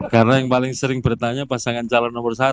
karena yang paling sering bertanya pasangan calon nomor satu